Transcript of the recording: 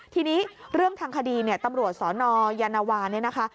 ทีนี้เรื่องทางคดีเนี่ยตำรวจสนยานวาเนี่ยนะคะ